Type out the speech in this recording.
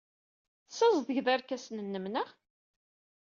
Tessazedgeḍ irkasen-nnem, naɣ?